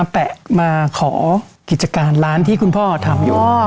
แปะมาขอกิจการร้านที่คุณพ่อทำอยู่